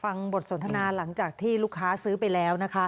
ฟังบทสนทนาหลังจากที่ลูกค้าซื้อไปแล้วนะคะ